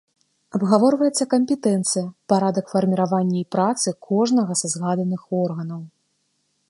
Абгаворваецца кампетэнцыя, парадак фарміравання і працы кожнага са згаданых органаў.